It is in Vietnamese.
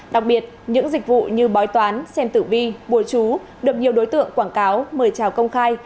đặc biệt những dịch vụ như bói toán xem tử vi bùa chú được nhiều đối tượng quảng cáo mời trào công khai